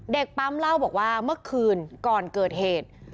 ปั๊มเล่าบอกว่าเมื่อคืนก่อนเกิดเหตุ